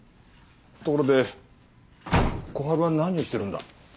ところで小春は何をしてるんだ？